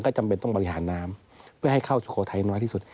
ก็จำเป็นต้องบริหารน้ำเพื่อให้เข้าสุโขทัยน้อยที่สุด